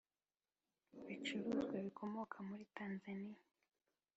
Bicuruzwa bikomoka muri tanzaniya